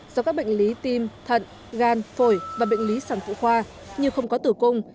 do các bệnh lý tim thận gan phổi và bệnh lý sản phụ khoa như không có tử cung